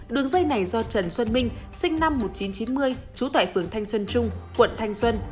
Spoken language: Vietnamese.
đường dây này do trần xuân minh sinh năm một nghìn chín trăm chín mươi trú tại phường thanh xuân trung quận thanh xuân